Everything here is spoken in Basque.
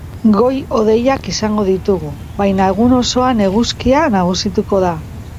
Goi-hodeiak izango ditugu, baina egun osoan eguzkia nagusituko da.